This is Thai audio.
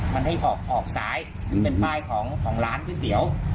มันให้ออกออกซ้ายซึ่งเป็นป้ายของร้านก๋วยเตี๋ยว